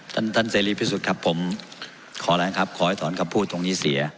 ท่านท่านเสรีพิสุทธิ์ครับผมขออะไรครับขอให้ถอนคำพูดตรงนี้เสีย